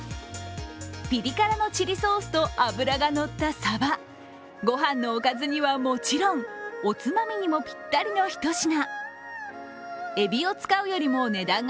ピリ辛のチリソースと脂が乗ったサバ、ごはんのおかずにはもちろん、おつまみにもぴったりのひと品。